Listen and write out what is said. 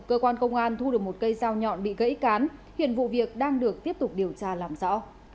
cơ quan công an thu được một cây dao nhọn bị gãy cán hiện vụ việc đang được tiếp tục điều tra làm rõ